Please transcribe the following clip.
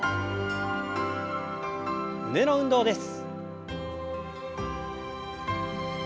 胸の運動です。